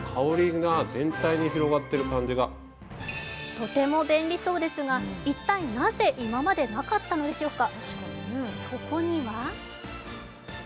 とても便利そうですが一体なぜ今までなかったのでしょうか。